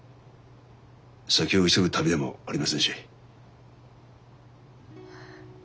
先を急ぐ旅でもありませんし。